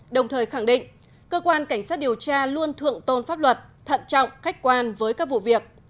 đồng thời khẳng định cơ quan cảnh sát điều tra luôn thượng tôn pháp luật thận trọng khách quan với các vụ việc